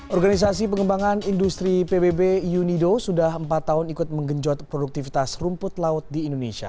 organisasi pengembangan industri pbb unido sudah empat tahun ikut menggenjot produktivitas rumput laut di indonesia